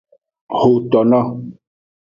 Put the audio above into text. Xotono.